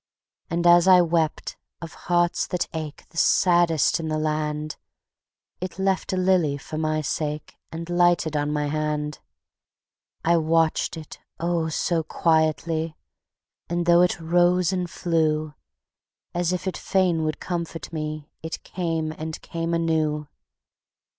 And as I wept of hearts that ache The saddest in the land It left a lily for my sake, And lighted on my hand. I watched it, oh, so quietly, And though it rose and flew, As if it fain would comfort me It came and came anew.